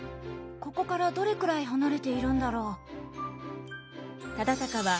ここからどれくらい離れているんだろう。